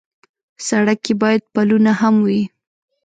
سړک کې باید پلونه هم وي.